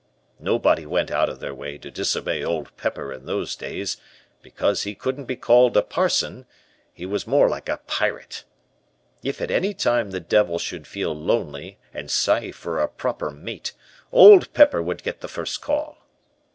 Nobody went out of their way to disobey Old Pepper in those days, because he couldn't be called a parson; he was more like a pirate. If at any time the devil should feel lonely, and sigh for a proper mate, Old Pepper would get the first call.